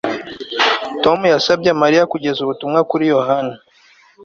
Tom yasabye Mariya kugeza ubutumwa kuri Yohana